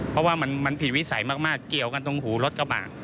เพราะว่ามันผิดวิสัยมากเกี่ยวกันตรงหูรถกระบะ